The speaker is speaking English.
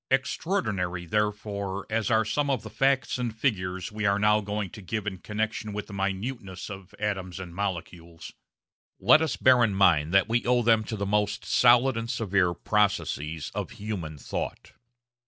Extraordinary, therefore, as are some of the facts and figures we are now going to give in connection with the minuteness of atoms and molecules, let us bear in mind that we owe them to the most solid and severe processes of human thought.